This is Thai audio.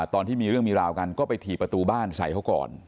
ตอนที่มีเรื่องมีราวกันก็ไปถี่ประตูบ้านใส่เขาก่อน